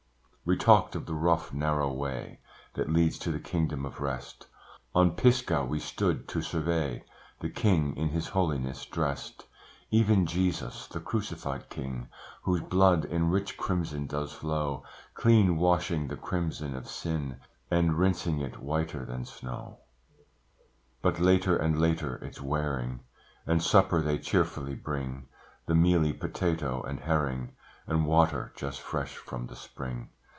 We talked of the rough narrow way That leads to the kingdom of rest; On Pisgah we stood to survey The King in His holiness dressed Even Jesus, the crucified King, Whose blood in rich crimson does flow, Clean washing the crimson of sin, And rinsing it whiter that snow. But later and later it's wearing, And supper they cheerfully bring, The mealy potato and herring, And water just fresh from the spring.